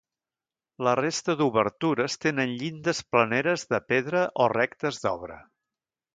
La resta d'obertures tenen llindes planeres de pedra o rectes d'obra.